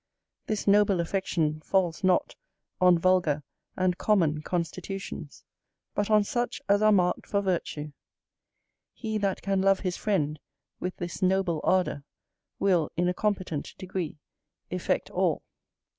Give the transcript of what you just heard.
This noble affection falls not on vulgar and common constitutions; but on such as are marked for virtue. He that can love his friend with this noble ardour will in a competent degree effect all.